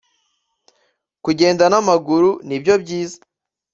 Kugenda n’amaguru ni byo byiza